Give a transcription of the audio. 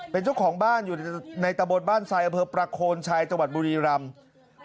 เป็นเจ้าของบ้านอยู่ในตะบนบ้านไซอเวิร์ดประโคนชัยจบุรีรัมพ์